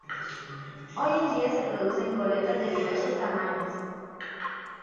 Hoy en día se producen goletas de diversos tamaños.